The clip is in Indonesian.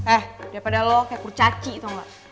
eh daripada kamu seperti kurcaci tau gak